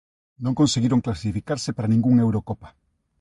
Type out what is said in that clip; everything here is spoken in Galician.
Non conseguiron clasificarse para ningunha Eurocopa.